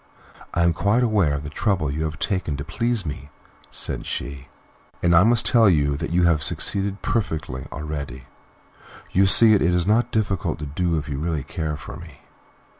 "I am quite aware of the trouble you have taken to please me," said she, "and I must tell you that you have succeeded perfectly already. You see it is not difficult to do if you really care for me."